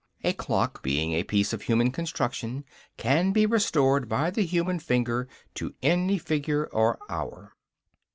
A clock, being a piece of human construction, can be restored by the human finger to any figure or hour."